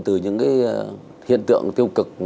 từ những hiện tượng tiêu cực